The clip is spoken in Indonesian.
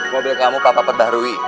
mobil kamu papa perbaharui